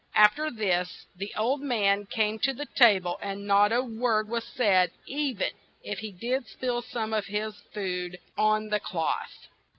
Af ter this the old man came to the ta ble, and not a word was said e ven if he did spill some of his food on the cloth.